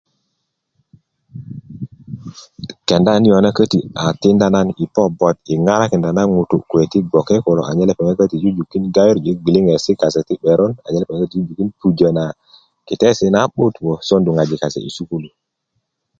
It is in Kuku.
kenda niyona käti a tinda na i po i ŋarakinda na ŋutú kuwe ti gboke kulo a nyen koko jujukin gareju na gbwiliŋetsi kase ti 'beron a nyen koko pupujä yiyiesi nagoŋ na 'but a nyen koko sosondu ŋojik kase i sukulu